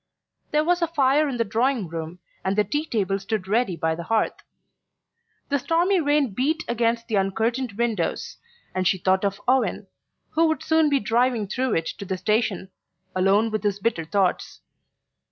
There was a fire in the drawing room and the tea table stood ready by the hearth. The stormy rain beat against the uncurtained windows, and she thought of Owen, who would soon be driving through it to the station, alone with his bitter thoughts.